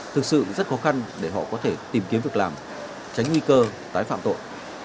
thực sự rất khó khăn để họ có thể tìm kiếm việc làm tránh nguy cơ tái phạm tội